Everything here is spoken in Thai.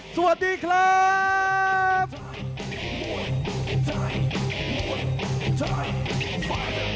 สวัสดีครับ